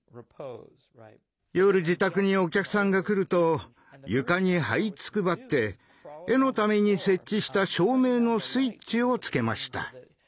夜自宅にお客さんが来ると床にはいつくばって絵のために設置した照明のスイッチをつけました。